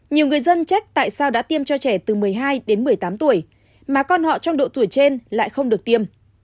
nhiều người dân chết tại sao đã tiêm cho trẻ từ một mươi hai đến một mươi tám tuổi mà con họ trong độ tuổi trên lại không được tiêm